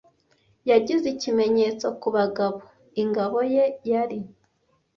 Yayigize ikimenyetso ku bagabo ingabo ye yari;